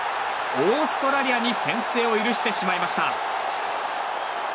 オーストラリアに先制を許してしまいました。